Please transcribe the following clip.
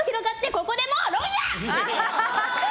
ここでもう、ロンや！